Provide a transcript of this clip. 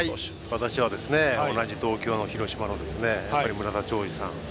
私は同じ同郷の広島の村田兆治さん。